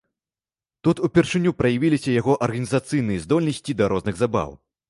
Тут упершыню праявіліся яго арганізацыйныя здольнасці да розных забаў.